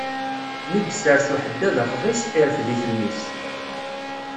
Mi yessers uḥeddad afḍis, irefd-it mmi-s.